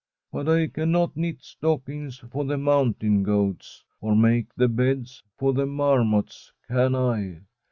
But I cannot knit stockings for the mountain goats, or make the beds for the marmots, can I?